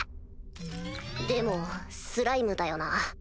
でもスライムだよな。